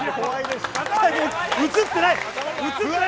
映ってない。